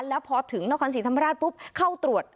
แล้วพอถึงนครศรีธรรมราชปุ๊บเข้าตรวจ